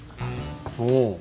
おお！